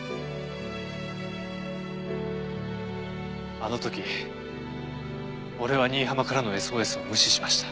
あの時俺は新浜からのＳＯＳを無視しました。